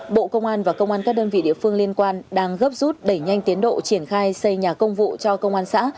bộ công an và công an các đơn vị địa phương liên quan đang gấp rút đẩy nhanh tiến độ triển khai xây nhà công vụ cho công an xã